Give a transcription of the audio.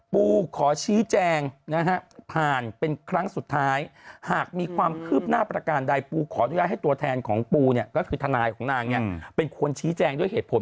ปูขอชี้แจงนะฮะผ่านเป็นครั้งสุดท้ายหากมีความคืบหน้าประการใดปูขออนุญาตให้ตัวแทนของปูเนี่ยก็คือทนายของนางเนี่ยเป็นคนชี้แจงด้วยเหตุผล